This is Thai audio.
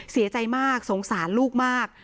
เสียใจมากสงสารลูกมาก